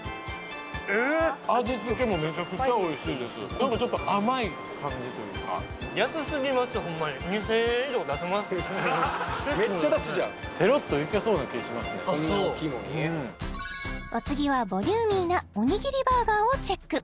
味付けもめちゃくちゃおいしいです何かちょっと甘い感じというかめっちゃ出すじゃんな気しますねお次はボリューミーなおにぎりバーガーをチェック